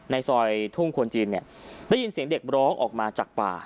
ในซอยทุ่งควนจีนเนี่ยได้ยินเสียงเด็กร้องออกมาจากป่า